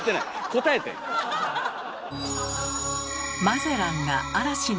答えてん。